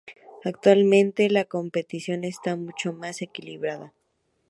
Actualmente, la competición está mucho más equilibrada.